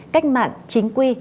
cách mạng chính quy